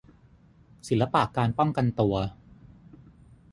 ศิลปะการป้องกันตัว